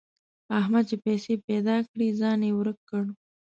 احمد چې پیسې پيدا کړې؛ ځان يې ورک کړ.